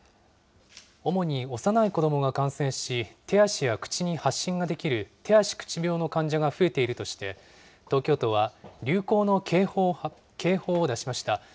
主に幼い子どもが感染し、手足や口に発疹が出来る手足口病の患者が増えているとして、東京都は流行の警報を出しました。